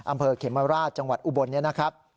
อำเภอเขมราชจังหวัดอุบลนี้นะครับ